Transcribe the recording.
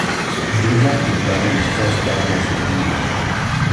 Deux ans plus tard il s’installe dans cette ville.